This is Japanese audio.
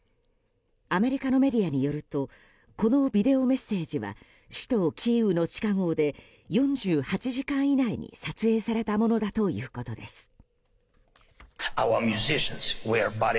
アメリカのメディアによるとこのビデオメッセージは首都キーウの地下壕で４８時間以内に撮影されたものだということです。